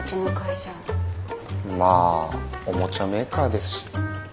まあおもちゃメーカーですし。